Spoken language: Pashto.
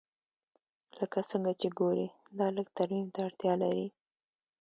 لکه څنګه چې ګورې دا لږ ترمیم ته اړتیا لري